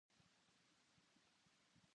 かまいたちは面白い。